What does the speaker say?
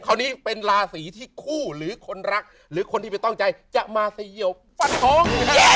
คราวนี้เป็นราศีที่คู่หรือคนรักหรือคนที่ไม่ต้องใจจะมาเสี่ยวฟันท้อง